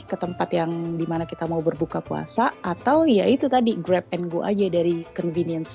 ke tempat yang dimana kita mau berbuka puasa atau ya itu tadi grab and go aja dari convenience